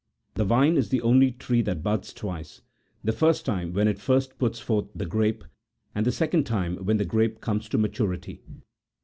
The vine is the only tree that buds twice ; the first time when it first puts forth the grape, and the second time when the grape comes to maturity.